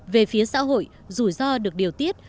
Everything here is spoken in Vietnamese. về phía xã hội rủi ro được điều tiết